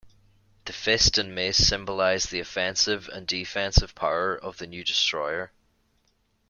The fist and mace symbolize the offensive and defensive power of the new destroyer.